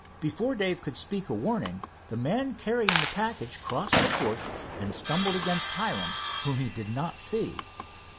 Before Dave could speak a warning, the man carrying the package crossed the porch and stumbled against Hiram, whom he did not see.